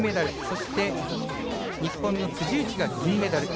そして日本の辻内が銀メダル。